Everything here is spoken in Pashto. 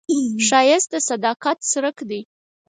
ښایست د صداقت څرک دی